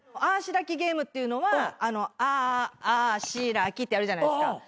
あぁしらきゲームっていうのはあぁあぁしらきってやるじゃないですか。